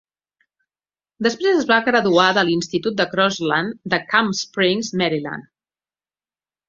Després es va graduar de l'institut de Crossland de Camp Springs, Maryland.